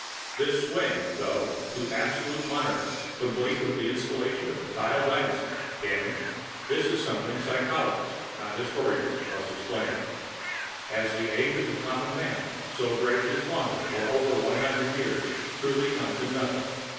This swing, though, to absolute monarchy, complete with the installation of the Kyle Dynasty damn him! This is something which psychologists, not historians, must explain. Has the age of the Common Man, so bravely flaunted for over one hundred years, truly come to nothing?